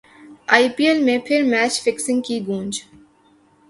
ائی P L میں پھر match fixing کی گونج